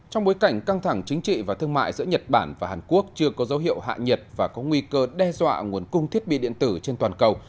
trong bối cảnh căng thẳng chính trị và thương mại giữa nhật bản và hàn quốc chưa có dấu hiệu hạ nhiệt và có nguy cơ đe dọa nguồn cung thiết bị điện tử trên toàn cầu